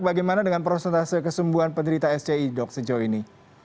bagaimana dengan prosentase kesembuhan penderita sci dok sejauh ini